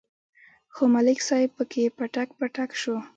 خو ملک صاحب پکې پټک پټک شو.